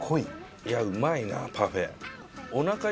いやうまいなパフェ。